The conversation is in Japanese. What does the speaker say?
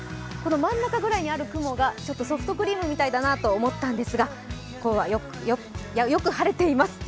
真ん中ぐらいにある雲がソフトクリームのようだと思ったんですがよく晴れています。